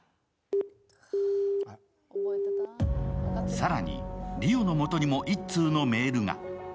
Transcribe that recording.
更に、梨央のもとにも一通のメールが。